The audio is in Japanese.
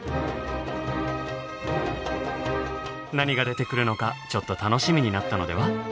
何が出てくるのかちょっと楽しみになったのでは？